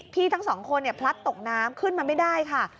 ทั้งสองคนพลัดตกน้ำขึ้นมาไม่ได้ค่ะ